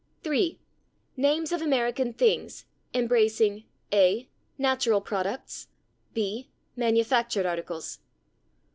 3. Names of American things, embracing: a. Natural products. b. Manufactured articles.